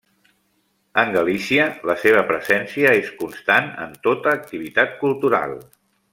En Galícia la seva presència és constant en tota activitat cultural.